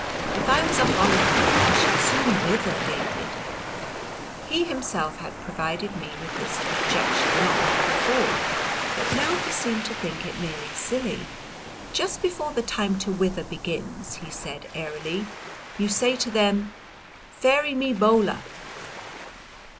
If I was a hollyhock I should soon wither, David." He himself had provided me with this objection not long before, but now he seemed to think it merely silly. "Just before the time to wither begins," he said airily, "you say to them Fairy me bola."